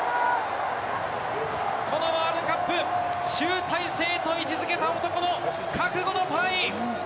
このワールドカップ、集大成と位置づけた男の覚悟のトライ。